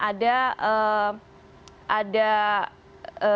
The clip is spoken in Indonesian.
ada kejadian yang terjadi di luar